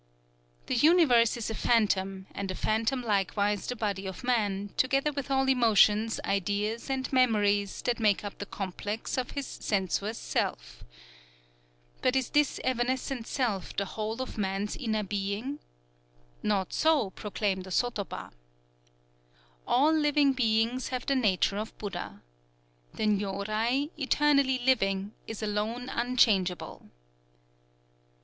_" The universe is a phantom, and a phantom likewise the body of man, together with all emotions, ideas, and memories that make up the complex of his sensuous Self. But is this evanescent Self the whole of man's inner being? Not so, proclaim the sotoba: "_All living beings have the nature of Buddha. The Nyōrai, eternally living, is alone unchangeable.